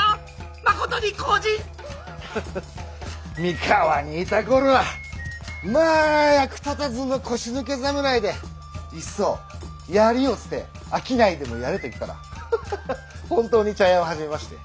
ハハッ三河にいた頃はまあ役立たずの腰抜け侍でいっそ槍を捨て商いでもやれと言ったらハハハッ本当に茶屋を始めまして。